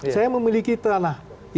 saya memiliki tanah